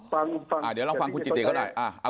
ฟังฟังอ่าเดี๋ยวลองฟังคุณจิตติก็ได้อ่าอ่า